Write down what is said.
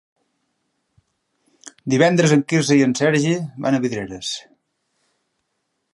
Divendres en Quirze i en Sergi van a Vidreres.